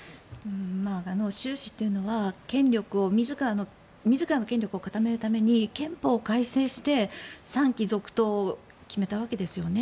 習氏というのは自らの権力を固めるために憲法改正して３期続投を決めたわけですよね。